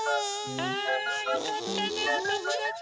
あよかったねおともだち？